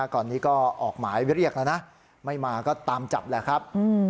ตอนนี้ก็ออกหมายเรียกแล้วนะไม่มาก็ตามจับแหละครับ